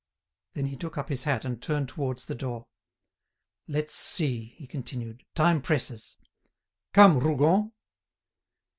Then he took up his hat and turned towards the door. "Let's see," he continued, "time presses. Come, Rougon."